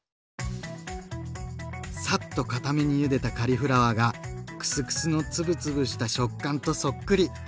サッとかためにゆでたカリフラワーがクスクスの粒々した食感とそっくり。